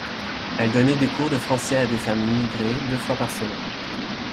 Elle donnait des cours de français à des femmes immigrées deux fois par semaine.